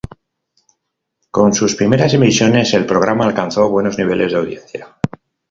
Con sus primeras emisiones el programa alcanzó buenos niveles de audiencia.